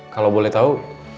kalau boleh tahu